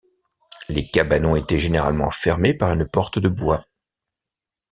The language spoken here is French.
Les cabanons étaient généralement fermés par une porte en bois.